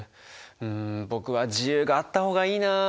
ん僕は自由があった方がいいな。